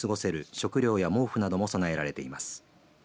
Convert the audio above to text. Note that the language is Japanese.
食料や毛布なども備えられています。